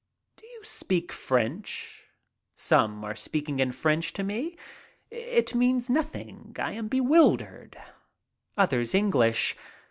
"Do I speak French?" Some are speaking in French to me. It means nothing. I am bewildered. Others English.